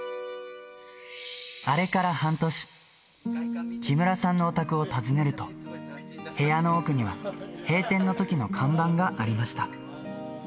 あれから半年、木村さんのお宅を訪ねると、部屋の奥には、閉店のときの看板がありました。